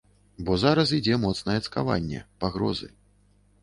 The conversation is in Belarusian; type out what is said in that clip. Бо зараз ідзе моцнае цкаванне, пагрозы.